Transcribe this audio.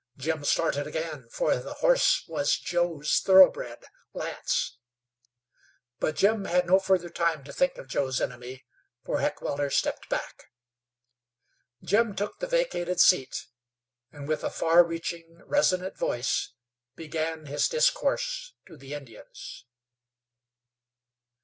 Jim started again, for the horse was Joe's thoroughbred, Lance. But Jim had no further time to think of Joe's enemy, for Heckewelder stepped back. Jim took the vacated seat, and, with a far reaching, resonant voice began his discourse to the Indians.